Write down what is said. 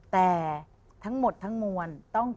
แต่ทั้งหมดทั้งมวล